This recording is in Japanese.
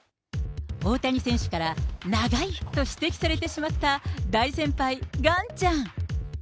大谷選手から長いと指摘されてしまった大先輩、ガンちゃん。